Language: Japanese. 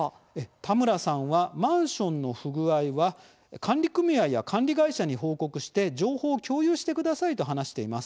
田村さんはマンションの不具合は管理組合や管理会社に報告して情報を共有してくださいと話しています。